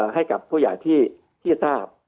ให้กับผู้ใหญ่ที่ทราบ